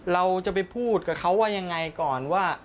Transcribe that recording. เราจะไปพูดกับเขาว่ายังไงก่อนว่า